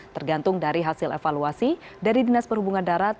tergantung dari hasil evaluasi dari dinas perhubungan darat